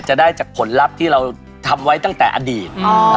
จะได้จากผลลัพธ์ที่เราทำไว้ตั้งแต่อดีต